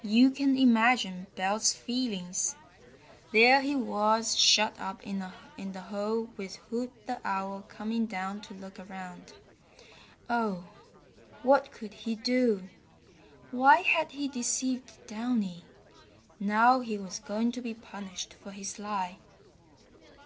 You can imagine Belt's feelings! There he was shut up in the hole with Hoot the Owl coming down to look around. Oh, what could he do! Why had he deceived Downy! Now he was going to be punished for his lie.